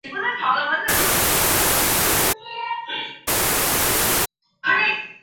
通常还配有一个可安装在枪托底板上的橡胶缓冲垫。